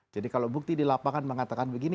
jadi kalau bukti di lapangan mengatakan begini